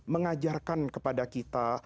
mengajarkan kepada kita